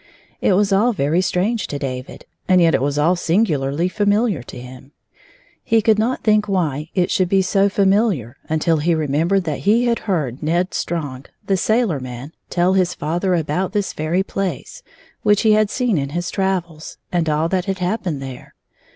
It was all very strange to David, and yet it was all singularly familiar to him. He could not think why it should be so familiar until he remem bered that he had heard Ned Strong, the sailor man, tell his father about this very place, which he had seen in his travels, and all that had hap pened there.